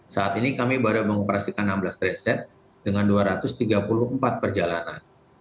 saat ini kami baru mengoperasikan enam belas trainset dengan dua ratus tiga puluh empat perjalanan